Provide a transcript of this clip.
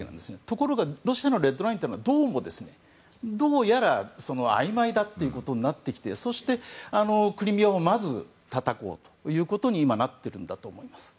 ところがロシアのレッドラインというのはどうやら、あいまいだということになってきてそして、クリミアをまずたたこうということに今なってるんだと思います。